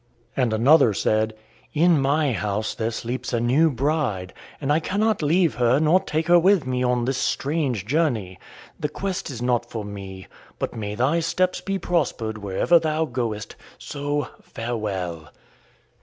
And another said: "In my house there sleeps a new bride, and I cannot leave her nor take her with me on this strange journey. This quest is not for me. But may thy steps be prospered wherever thou goest. So, farewell."